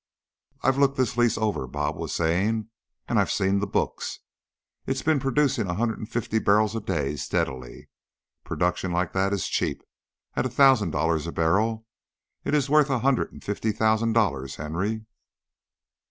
"I've looked this lease over," "Bob" was saying, "and I've seen the books. It has been producing a hundred and fifty barrels a day steadily. Production like that is cheap at a thousand dollars a barrel. It is worth a hundred and fifty thousand dollars, Henry."